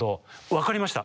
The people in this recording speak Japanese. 分かりました。